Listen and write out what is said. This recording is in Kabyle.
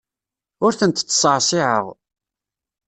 Ur tent-ttṣeɛṣiɛeɣ.